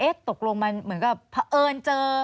เอ๊ะตกลงมันเหมือนกับพอเอิญเจอ